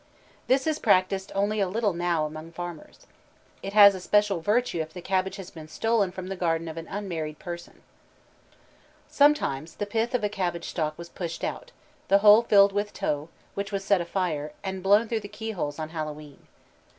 This is practised only a little now among farmers. It has special virtue if the cabbage has been stolen from the garden of an unmarried person. Sometimes the pith of a cabbage stalk was pushed out, the hole filled with tow, which was set afire and blown through keyholes on Hallowe'en.